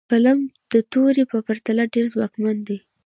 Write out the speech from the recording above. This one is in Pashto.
قلم د تورې په پرتله ډېر ځواکمن دی.